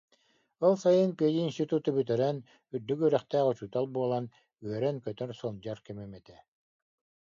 Ол сайын пединституту бүтэрэн, үрдүк үөрэхтээх учуутал буолан, үөрэн-көтөн сылдьар кэмим этэ